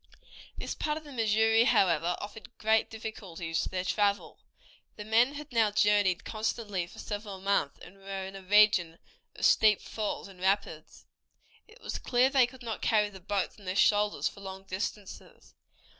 This part of the Missouri, however, offered great difficulties to their travel. The men had now journeyed constantly for several months, and were in a region of steep falls and rapids. It was clear that they could not carry the boats on their shoulders for long distances.